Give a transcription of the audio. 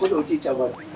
おばあちゃんが。